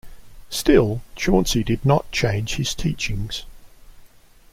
Still, Chauncy did not change his teachings.